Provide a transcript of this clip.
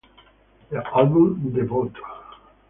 The album Debout!